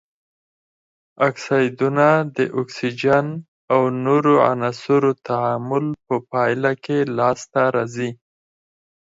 اکسایدونه د اکسیجن او نورو عناصرو تعامل په پایله کې لاس ته راځي.